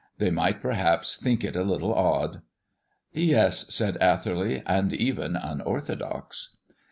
They might perhaps think it a little odd." "Yes," said Atherley, "and even unorthodox."